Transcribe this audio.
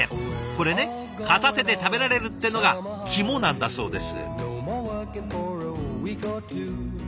これね片手で食べられるってのがキモなんだそうです。